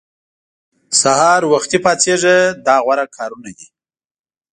سهار وختي پاڅېږه دا غوره کارونه دي.